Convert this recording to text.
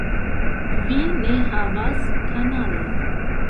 Vi ne havas kanalon